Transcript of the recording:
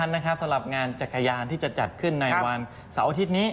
สำหรับงานจักรยานที่จะจัดขึ้นในวันเสาร์อาทิตย์นี้